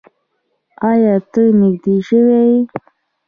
ایا؛ ته تږی شوی یې؟